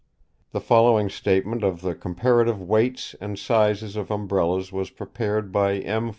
The following statement of the comparative weights and sizes of Umbrellas was prepared by M.